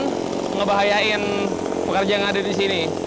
ngerinya malah keterusan ngebahayain pekerja yang ada di sini